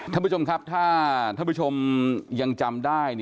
ท่านผู้ชมครับถ้าท่านผู้ชมยังจำได้